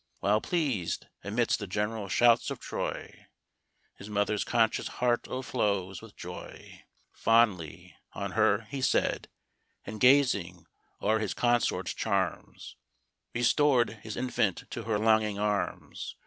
While pleas'd, amidst the general shouts of Troy, His mother's conscious heart o'erflows with joy. fondly on her He said, and gazing o'er his consort's charms, Restor'd his infant to her longing arms.